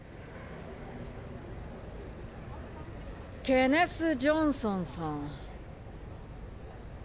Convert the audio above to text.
ケネス・ジョンソンさん。